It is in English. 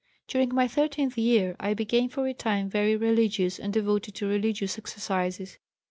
"During my thirteenth year I became for a time very religious and devoted to religious exercises.